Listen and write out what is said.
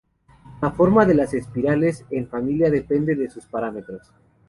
La forma de las espirales en la familia depende de sus parámetros.